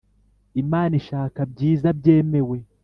Imana ishaka byiza byemewe